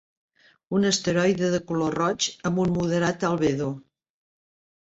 Un asteroide de color roig, amb un moderat albedo.